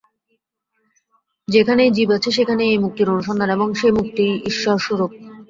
যেখানেই জীবন আছে, সেখানেই এই মুক্তির অনুসন্ধান এবং সেই মুক্তিই ঈশ্বর-স্বরূপ।